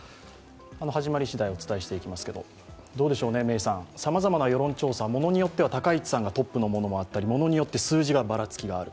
始まりしだいお伝えしていきますけれども、どうでしょうね、メイさん、さまざまな世論調査、高市さんがトップのものがあったりものによって数字がばらつきがある。